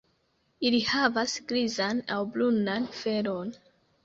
Ili havas grizan aŭ brunan felon.